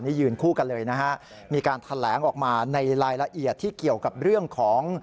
นี่ยืนคู่กันเลยนะฮะมีการแถลงออกมาในรายละเอียดที่เกี่ยวกับเรื่องของ